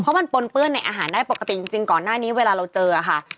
เพราะมันปนเปื้อนในอาหารได้ปกติจริงก่อนหน้านี้เวลาเราเจอค่ะ